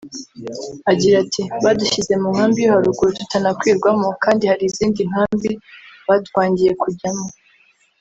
Agira ati “Badushyize mu Nkambi yo haruguru tutanakwirwamo kandi hari izindi nkambi batwangiye kujyamo